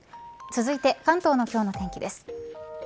続いて関東の今日の天気です。